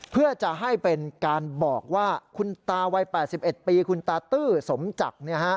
เพื่อจะให้เป็นการบอกว่าคุณตาวัย๘๑ปีคุณตาตื้อสมจักร